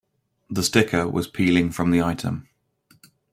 The sticker was peeling from the item.